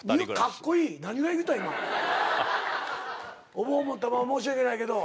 お盆持ったまま申し訳ないけど。